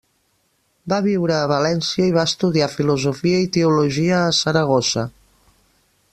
Va viure a València i va estudiar filosofia i teologia a Saragossa.